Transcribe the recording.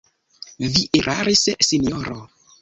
Vi eraris, sinjoro!